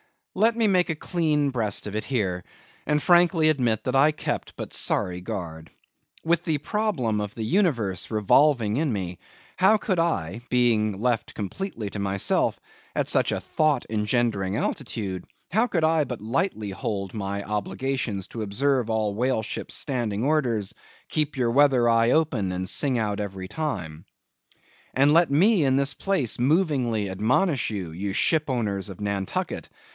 Let me make a clean breast of it here, and frankly admit that I kept but sorry guard. With the problem of the universe revolving in me, how could I—being left completely to myself at such a thought engendering altitude—how could I but lightly hold my obligations to observe all whale ships' standing orders, "Keep your weather eye open, and sing out every time." And let me in this place movingly admonish you, ye ship owners of Nantucket!